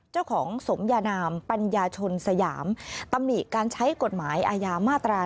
เจ้าของสมยนามปัญญาชนสยามตำนีการใช้กฎหมายอาญามาตรา๑๑๒